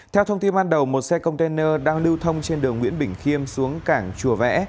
theo thông tin ban đầu một xe container đang lưu thông trên đường nguyễn bình khiêm xuống cảng chùa vẽ